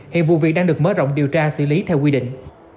hiện vụ việc đang được mở rộng điều tra xử lý theo quy định